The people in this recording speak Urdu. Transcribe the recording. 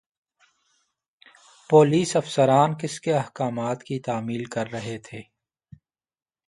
پولیس افسران کس کے احکامات کی تعمیل کر رہے تھے؟